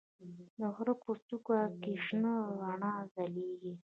د غره په څوکه کې شنه رڼا ځلېږي.